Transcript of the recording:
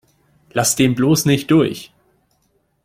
Lass den bloß nicht durch!